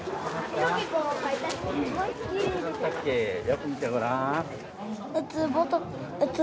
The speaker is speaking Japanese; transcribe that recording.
よく見てごらん。